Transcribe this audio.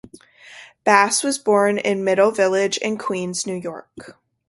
Bass was born in Middle Village in Queens, New York.